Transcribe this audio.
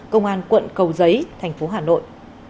công an quận cầu giấy thành phố hà nội